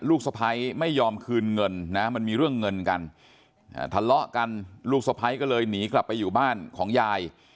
สะพ้ายไม่ยอมคืนเงินนะมันมีเรื่องเงินกันทะเลาะกันลูกสะพ้ายก็เลยหนีกลับไปอยู่บ้านของยาย